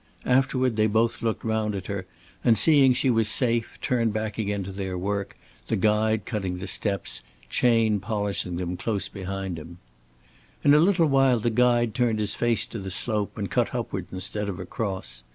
Afterward they both looked round at her, and seeing she was safe turned back again to their work, the guide cutting the steps, Chayne polishing them behind him. In a little while the guide turned his face to the slope and cut upward instead of across.